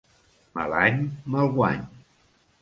Mal any, mal guany.